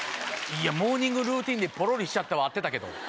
「モーニングルーティンでポロリしちゃった」は合ってたけど。